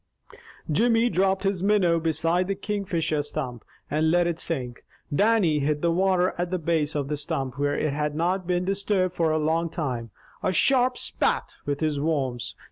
Jimmy dropped his minnow beside the Kingfisher stump, and let it sink. Dannie hit the water at the base of the stump, where it had not been disturbed for a long time, a sharp "Spat," with his worms.